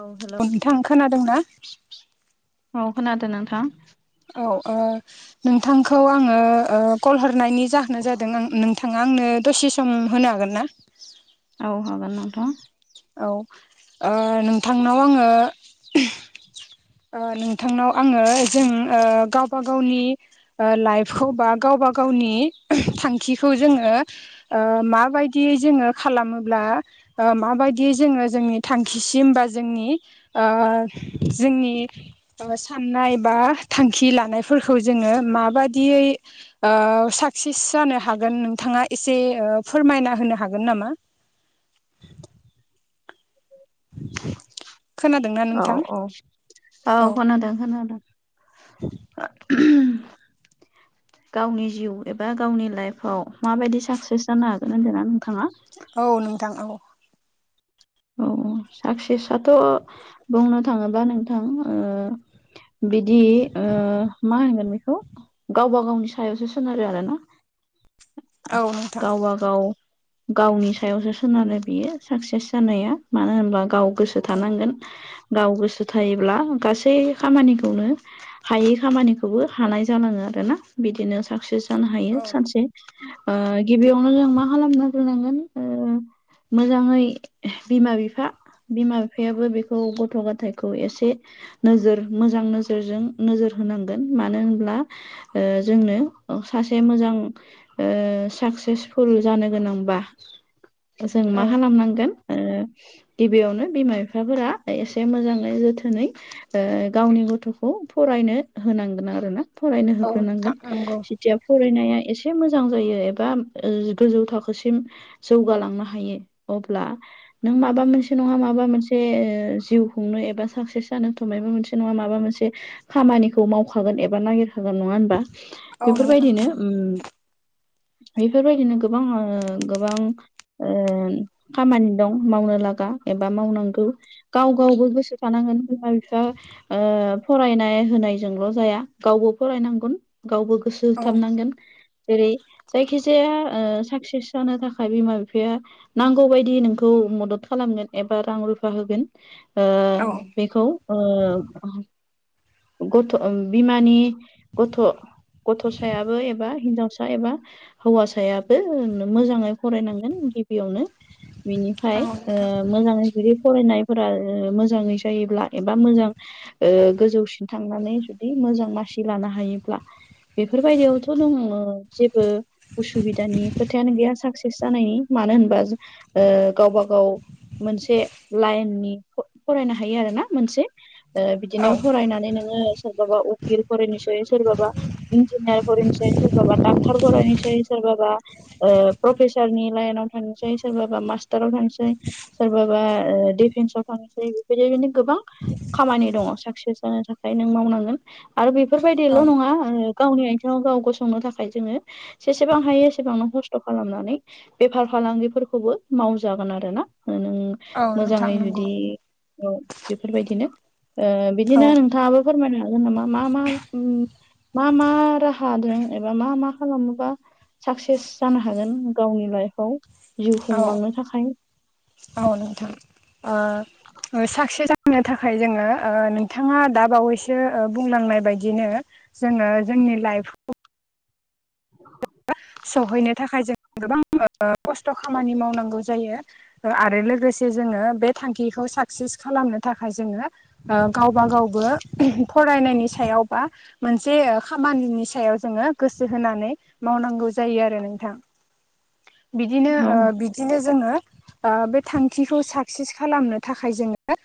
औ हेल' अ नोंथां खोनादों ना? औ खोनादो नोंथां। औ ओ नोंथांखौ आङो कल हरनायनि जाहोना जादों आं नों थाङा आंनो दसे सम होनो हागोनना? औ हागोन नोंथां। औ ओ नोंथांनाव आङो नोंथांनाव आङो जों गावबा गावनि ओ लाइफखौ बा गावबा गावनि थांखिखौ जोङो माबायदियै जोङो खालामोब्ला माबायदियै जोङो जोंनि थांखिसिम बा जोंनि ओ जोंनि साननाय बा थांखि लानायफोरखौ जोङो माबादियै साक्सिस जानो हागोन नोंथाङा एसे फोरमायना होनो हागोन नामा? खोनादोंना औ नोंथां? औ औ खोनादों खोनादों। [inaudible] [inaudible] गावनि जिउ एबा गावनि लाइफाव माबायदि साक्सेस जानो हागोन होनदोना नोंथाङा? औ नोंथां औ। औ साक्सेसथ' बुंनो थाङोबा नोंथां ओ बिदि ओ मा होनगोन बेखौ गावबा गावनि सायावसो सोनारो आरोना। [inaudible] नोंथां गावबागाव गावनि सायावसो सोनारो बियो साक्सेस जानाया मानो होनब्ला गाव गोसो औ थानांगोन। गाव गोसो थायोब्ला गासै खामानिखौनो हायै खामानिखौबो हानाय जालाङो आरोना बिदिनो साक्सेस जानो हायो औ सानसे। गिबियावनो जों मा खालामनांग्रोनांगोन मोजाङै बिमा बिफा, बिमा बिफायाबो बेखौ गथ' गथायखौ एसे नोजोर मोजां नोजोरजों नोजोर होनांगोन। मानो होनब्ला जोंनो ओ सासे मोजां साक्सेसफुल जानो गोनांबा जों मा औ खालामनांगोन आरो गिबियावनो बिमा बिफाफोरा एसे मोजाङै जोथोनै गावनि गथ'खौ फरायनो होनांगोन आरोना फरायनो औ होग्रोनांगोन। नोंथां नंगौ थिया फरायनाया एसे मोजां जायो एबा गोजौ थाखोसिम जौगालांनो हायो। अब्ला नों माबा मोनसे नङा माबा मोनसे जिउ खुंनो एबा साकसेस जानोथ' माबा मोनसे नङा माबा मोनसे खामानिखौ मावखागोन एबा नागिरखागोन नङा होनबा औ नोंथां बेफोरबायदिनो नंगौ उम बेफोरबायदिनो गोबां गोबां खामानि दं मावनो लागा एबा मावनांगौ गाव गावबो गोसो थानांगोन बिमा बिफा फरायनाय होनायजोंल' जाया गावबो फरायनांगोन। गावबो गोसो औ होथाबनांगोन। जेरै जायखिजाया साक्सेस जानो थाखाय बिमा बिफाया नांगौ बायदि नों खौ मदद खालामगोन एबा रां रुफा होगोन। ओ औ बेखौ ओ गथ' बिमानि गथ' गथ'सायाबो एबा हिनजावसा एबा हौवासायाबो मोजाङै फरायनांगोन गिबियावनो। बिनिफ्राय नोंथां मोजाङै जुदि फरायनायफोरा मोजाङै जायोब्ला एबा मोजां गोजौसिन थांनानै जुदि मोजां मासि लानो हायोब्ला बेफोरबायदियावथ' दङ जेबो उसुबिदानि खोथायानो गैया साक्सेस जानायनि। मानो होनबा गावबा गाव मोनसे लाइननि फरायनो हायो आरोना मोनसे। औ बिदिनो फरायनानै नोङो सोरबाबा उकल फरायनोसै सोरबाबा इन्जिनियार फरायनोसै, सोरबाबा डाक्टार फरायनोसै सोरबाबा ओ प्रफेसारनि लाइनाव थांनोसै सोरबा सोरबा मास्टाराव थांसै सोरबाबा डिफेन्साव थांसै बेफोरदिनो गोबां खामानि दङ साक्सेस जानो थाखाय नों मावनांगोन आरो बेफोरबायदिल' औ नङा ओ गावनि आथिथिङाव गाव गसंनो थाखाय जोङो जेसेबां हायो एसेबां ननो खस्थ' खालामनानै बेफार फालांगिफोरखौबो मावजागोन आरो ना नों औ नोंथां मोजाङै नंगौ जुदि बेफोरबायदिनो ओ औ बिदिनो नोंथाङाबो फोरमायनो हागोन नामा मा मा उम मा मा राहादों एबा मा मा खालामोबा साक्सेस जानो हागोन गावनि लाइफआव जिउ खुंलांनो थाखाय अ नोंथां ओ साक्सेस जानो थाखाय जोङो ओ नोंथाङा द बावैसो ओ बुंलांनाय बायदिनो जोङो जोंनि लाइफखौ [inaudible] सहैनो थाखाय जों गोबां खस्थ' खामानि मावनांगौ जायो। आरो लोगोसे जोङो बे थांखिखौ साक्सेस खालामनो थाखाय जोङो गावबा गावबो फरायनायनि सायावबा मोनसे खामानिनि सायाव जोङो गोसो होनानै मावनांगौ जायो आरो नोंथां बिदिनो औ ओ बिदिनो जोङो ओ बे थांखिखौ साक्सेस खालामनो थाखाय जोङो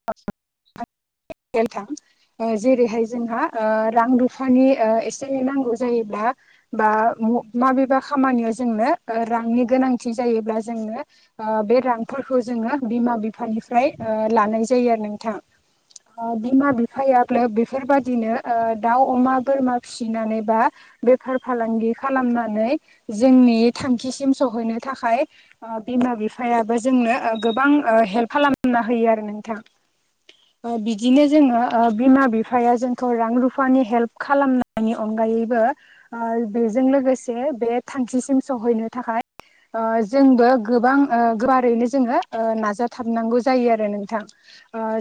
[unintelligible] जेरैहाय जोंहा ओ रां रुफानि ओ एसे एनै नांगौ जायोब्ला बा माबेबा खामानियाव जोंनो ओ रांनि गोनांथि जायोब्ला जोंनो बे रांफोरखौ जोङो बिमा बिफानिफ्राय ओ लानाय जायो आरो नोंथां‌ बिमा बिफायाब्ला बेफोरबाददिनो दाउ अमा बोरमा फिसिनानै बा बेफार फालांगि खालामनानै जोंनि थांखिसिम सहैनो थाखाय आं बिमा बिफायाबो जोंनो गोबां हेल्प खालामना होयो आरो नोंथां। बिदिनो जोङो ओ बिमा बिफाया जोंखौ' रां रुफानि हेल्प खालामनायनि अनगायैबो बेजों लोगोसे बे थांखिसिम सहैनो थाखाय ओ जोंबो गोबां ओ गुवारैनो जोङो नाजाथाबनांगौ जायो आरो नोंथां।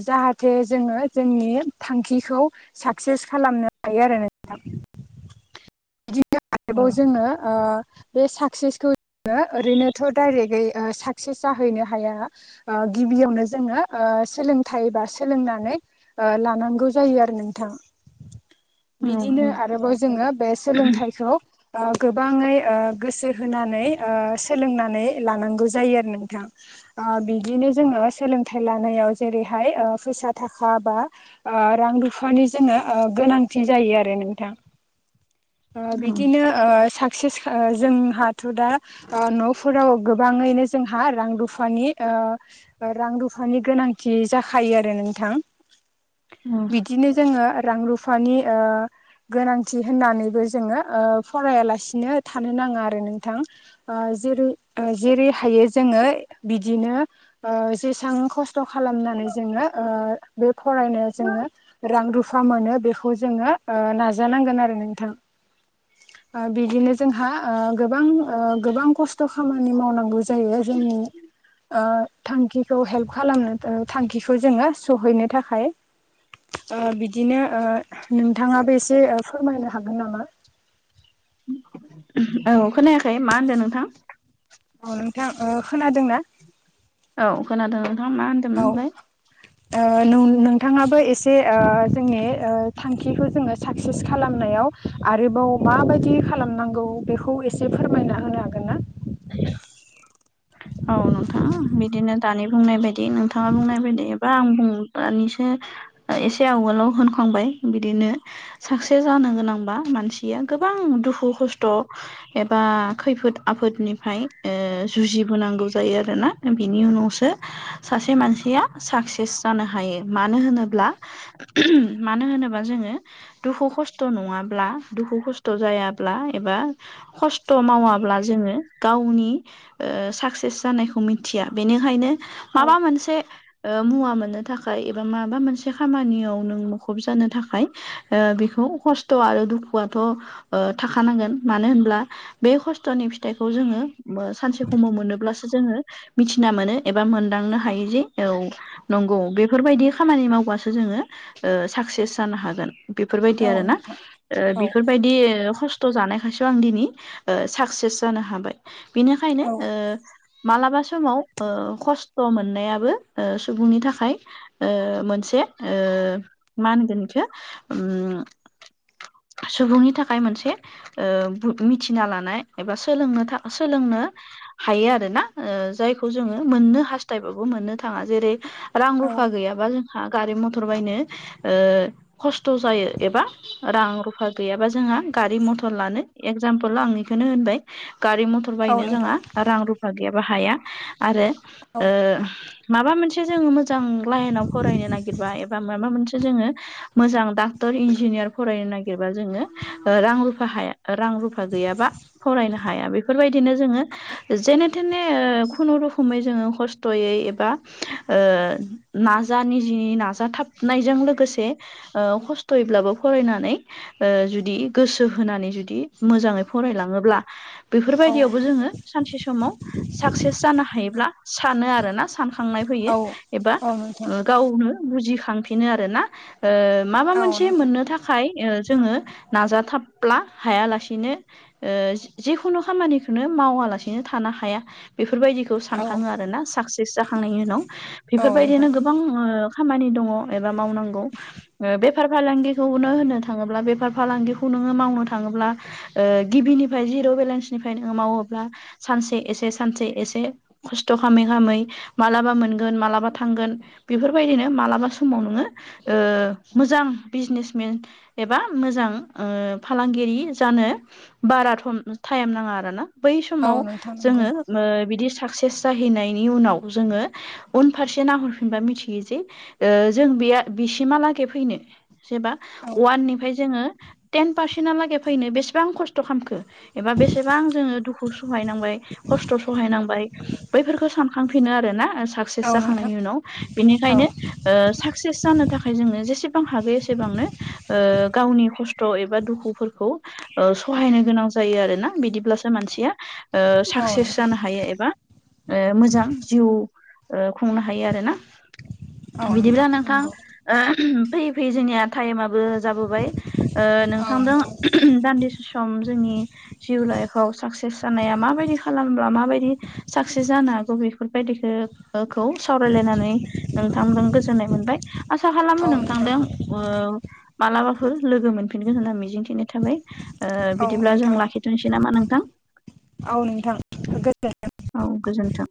जाहाथे जोङो जोंनि थांखिखौ साक्सेस खालामनो हायो आरो नोंथां। बिदिनो आरोबाव जोंङो ओ बे साक्सेसखौ जोङो ओरैनोथ' डाइरेक्टै साकसेस जाहैनो हाया गिबियावनो जोङो ओ सोलोंथाइ बा सोलोंनानै लानांगौ जायो आरो नोंथां। बिदिनो औ आरोबाव जोङो बे सोलोंथाइखौ ओ गोबाङै गोसो होनानै ओ सोलोंनानै लानांगौ जायो आरो नोंथां। ओ बिदिनो जोङो सोलोंथाइ लानायाव जेरैहाय फैसा थाखा बा ओ रां रुफानि जोंङो गोनांथि जायो आरो नोंथां। ओ औ बिदिनो ओ साक्सेस जोंहाथ' दा ओ न'फोराव गोबाङैनो जोंहा रां रुफानि ओ रां रुफानि गोनांथि जाखायो आरो नोंथां। बिदिनो जोङो रां रुफानि ओ गोनांथि होननानै बो जोङो ओ फरायालासिनो थानो नाङा आरो नोंथां। ओ जेरै जेरै हायो जोङो बिदिनो ओ जेसेबां खस थ' खालामनानै जो ओ बे फरायनायाव जङो रां रु फा मोनो बेखौ जोङो नाजानांगोन आरो नोंथां। ओ बिदिनो जोंहा ओ गोबां गोबां खस्थ' खामानि मावनांगौ जायो जोंनि ओ थांखिखौ हेल्प खालामनो थांखिखौ जोङो सहैनो थाखाय। बिदिनो नोंथाङाबो एसे फोरमायनो हागोन नामा? औ खोनायाखै मा होनदों नोंथां? औ नोंथां खोनादों ना? औ खोनादों नोंथाङा मा होनदोंमोन होनलाय। [inaudible] नोंथाङाबो एसे जोंनि थांखिखौ जोङो साक्सेस खालामनायाव आरोबाव माबायदि खालामनांगौ बेखौ एसे फोरमायना होनो हागोन ना। औ नोंथांा बिदिनो दानि बुंनाय बायदि नोंथाङा बुंनाय बायदि एबा आं दानिसो एसे आवोलाव होनखांबाय बिदिनो साक्सेस जानो गोनांबा मानसिया गोबां दुखु खस्थ' एबा खैफोद आफोदनिफ्राय जुजि होनांगौ जायो आरोना बिनि उनावसो सासे मानसिया साक्सेस जानो हायो, मानो होनोब्ला? मानो होनोबा जोङो दुखु खस्थ' नङाब्ला दुखु खस्थ' जायाब्ला एबा खस्थ' मावाब्ला जोङो गावनि ओ साक्सेस जानायखौ मिथिया बेनिखायनो औ माबा मोनसे मुवा मोननो थाखाय एबा माबा मोनसे खामानियाव नों मुखुब जानो थाखाय। बेखौ खस्थ' आरो दुखुआथ' थाखानांगोन मानो होनब्ला बे खस्थ'नि फिथाइखौ जोङो सानसे सममाव मोनोब जोङो मिथिना मोनो एबा मोनदांनो हायो जे औ नंगौ बेफोरबायदि खामानि मावबासो जोङो साक्सेस जानो हागोन। बेफोरबायदि औ आरो ना नोंथां औ बेफोर बायदि खस्थ' जानायखायसो आं दिनै साक्सेस जानो हाबाय। बेनिखायनो औ ओ मालाबा समाव खस्थ' मोननायाबो सुबुंनि थाखाय। मोनसे मा होनगोन बेखौ? सुबुंनि थाखाय मोनसे मिथिना लानाय एबाोलों सोलोंनो हायो आरो। आरो ना जायखौ जोङो मोननो हास्थायबाबो मोननो थाङा जेरै रां औ रुफा गैयाबा जों हा गारि मथर बायनो खस्थ' जायो एबा रां रुफा गैयाबा जोंहा गारि मथर लानो एक्जामपोल आंनिखौनो होनबाय गारि मथर औ बायनो नोंथां जोंा रां रुफा गैयाबा हाया। आरो औ ओ माबा मोनसे जोङो मोजां लाइनाव फरायनो नागिरबा एबा माबा मोनसे जोङो मोजां डाक्टर इन्जिनियार फरायनो नागिरबा जोङो रां रुफा हाया रां रुफा गैयाबा फरायनो हाया बेफोरबायदिनो जोङो जेन [inaudible] खुनुरुखुमै जोङो खस्थ'यै एबा नाज निजनि नाज थाब हाबनायजों लोगोसे खस्थ'यैब्लाबो फरायनानै जुदि गोसो होनानै जुदि मोजाङै फरायलाङोब्ला। औ बेफोरबायदियावबो जोङो सानसे समाव साक्सेस जानो हायोब्ला सानो आरो ना सानखांनाय फैयो औ एबा औ नोंथां गावनो बुजिखांफिनो आरोना माबा औ मोनसे नोंथां मोननो थाखाय थाखाय जोङो नाजाथाबब्ला हायालासेनो जिेखुनु खामानिखौनो मावालासिनो थानो ह बेफोरबायदिखौ औ सानखाो आरोना साक्सेस जाखांनायनि उनाव औ नोंथां बेफोरबायदिनो गोबां खामानि दङ एबा मावनांगौ बे बेफार फालांगिखौनो होननो थाङोब्ला बेफार फालांगिखौ नोङो मावनो थाङोब्ला ओ गिबिनिफ्राय जिर' बेलेन्सनिफ्राय नोङो मावोब्ला सानसे एसे-सानसे एसे खस्थ' खामै-खामै मालाबा मोनगोन मालाबा थांगोन बेफोरबायदिनो मालाबा समाव नोङो ओ मोजां बिजनेसमेन एबा मोजां ओ फालांगिरि जानो बाराथम टाइएम नाङा आरो ना। बै औ समाव नोंथां नंगौ जोङो ओ बिदि साक्सेस जाहैनायनि उनाव जोङो उनफारसे नाहरफिनबा मिथियो जे ए जों बे बिसिमहालागै फैनो जेबा औ वाननिफाय जोङो तेनफार सेनआ लागै फैनो बेसेबां खस्थ' खालामखो एबा बेसेबां जोङो दुखु सहायनांबाय। खस्थ' सहायनांबाय बैफोरखौ सानखांफिनो आरो ना। साक्सेस औ नोंथां जाखांनायनि उनाव औ बेनिखायनो ओ साक्सेस जानो थाखाय जोङो जेसेबां हागो एसेबांनो ए गावनि खस्थ' एबा दुखुफोरखौ ओ सहायनो गोनां जायो आरोना बिदिब्लासो मानसिया ओ औ साक्सेस नोंथां जानो हायो। एबा ओ मोजां जिउ ए खुंनो हायो आरो ना। औ बिदिब्ला नोंथां नंगौ ओ फैयै-फैयै जोंनिया टाइमा बो जाबोबाय ओ औ नोंथांदों नोंथां दान्दिसे सम जोंनि जिउ लाइफआव साकसेस जानाया माबायदि खालामब्ला माबायदि साक्सेस जानो हागौ बेफोरबायदिखौ सावरायलायनानै नोंथांजों गोजोननाय मोनबाय आसा खालामो औ नोंथां नोंथांदों ओ मालाबाफोर लोगो मोनफिनगोन होनना मिजिंथिनाय थाबाय ओ औ बिदिब्ला जों नोंथां लाखि दोननोसै नामा नोंथां? औ नोंथां गोजोनथों। औ गोजोन्थों।